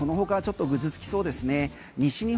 その他ちょっとグズつきそうですね。